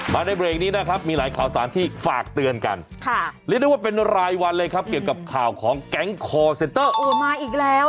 ในเบรกนี้นะครับมีหลายข่าวสารที่ฝากเตือนกันค่ะเรียกได้ว่าเป็นรายวันเลยครับเกี่ยวกับข่าวของแก๊งคอร์เซนเตอร์โอ้มาอีกแล้ว